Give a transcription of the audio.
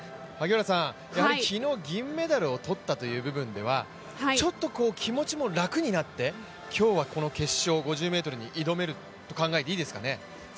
昨日、銀メダルを取ったという部分ではちょっと気持ちも楽になって今日はこの決勝５０ｍに挑めると考えていいですかね？